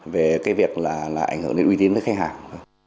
về cái việc là là ảnh hưởng đến uy tín của khách hàng